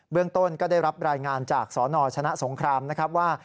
เรื่องต้นก็ได้รับรายงานจากสนชนะสงครามนะครับว่า